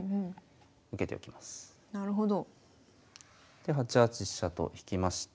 で８八飛車と引きまして。